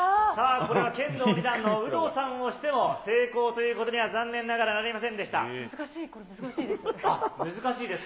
これは剣道２段の有働さんをしても、成功ということには残念難しい、これ、難しいです。